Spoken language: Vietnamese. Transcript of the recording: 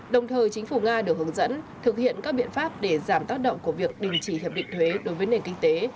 đồng thời chính phủ nga được hướng dẫn thực hiện các biện pháp để giảm tác động của việc đình chỉ hiệp định thuế đối với nền kinh tế